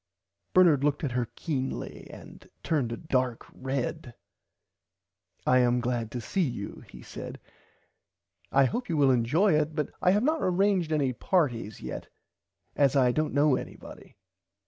Bernard looked at her keenly and turned a dark red. I am glad to see you he said I hope you will enjoy it but I have not arranged any partys yet as I dont know anybody.